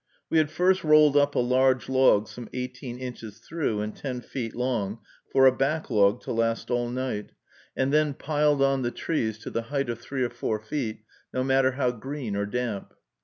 We had first rolled up a large log some eighteen inches through and ten feet long, for a backlog, to last all night, and then piled on the trees to the height of three or four feet, no matter how green or damp.